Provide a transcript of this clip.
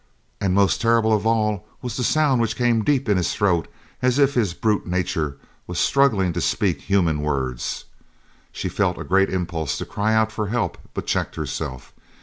And most terrible of all was the sound which came deep in his throat as if his brute nature was struggling to speak human words. She felt a great impulse to cry out for help, but checked herself.